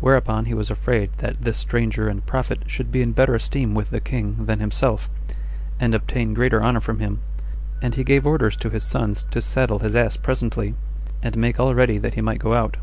Whereupon he was afraid that this stranger and prophet should be in better esteem with the king than himself, and obtain greater honor from him: and he gave orders to his sons to saddle his ass presently, and make all ready that he might go out.